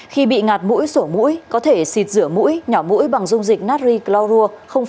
khi bị ngạt mũi sổ mũi có thể xịt rửa mũi nhỏ mũi bằng dung dịch nari glorua chín